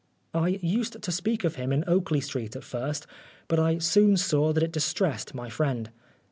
I used to speak of him in Oakley Street at first, but I soon saw that it distressed my friend.